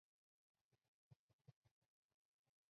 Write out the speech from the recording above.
犁头鳅为平鳍鳅科犁头鳅属的鱼类。